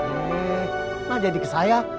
eh nah jadi ke saya